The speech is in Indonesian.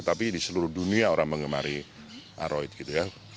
tapi di seluruh dunia orang mengemari aroid